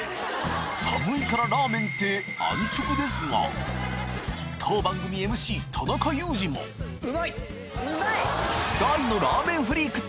寒いからラーメンって安直ですが当番組ＭＣ田中裕二もえ？